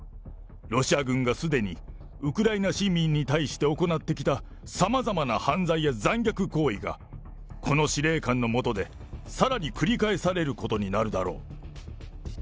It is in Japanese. ロシア軍がすでに、ウクライナ市民に対して行ってきたさまざまな犯罪や残虐行為が、この司令官の下でさらに繰り返されることになるだろう。